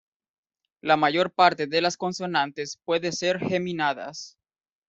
La mayor parte de las consonantes puede ser geminadas.